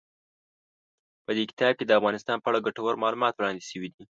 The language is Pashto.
په دې کتاب کې د افغانستان په اړه ګټور معلومات وړاندې شوي دي.